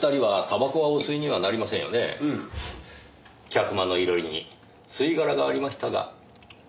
客間の囲炉裏に吸い殻がありましたが。